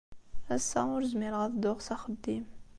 Ass-a ur zmireɣ ad dduɣ s axeddim.